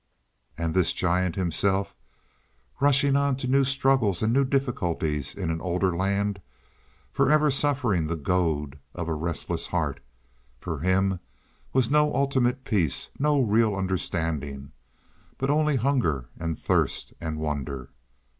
And this giant himself, rushing on to new struggles and new difficulties in an older land, forever suffering the goad of a restless heart—for him was no ultimate peace, no real understanding, but only hunger and thirst and wonder.